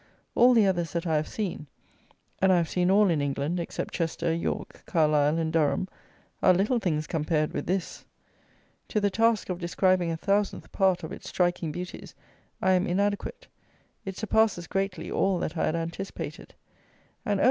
All the others that I have seen (and I have seen all in England except Chester, York, Carlisle, and Durham) are little things compared with this. To the task of describing a thousandth part of its striking beauties I am inadequate; it surpasses greatly all that I had anticipated; and oh!